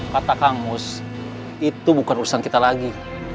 kata kamus itu bukan urusan kita lagi